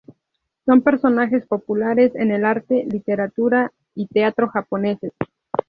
Son personajes populares en el arte, literatura y teatro japoneses.